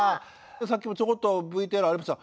さっきもちょこっとＶＴＲにありました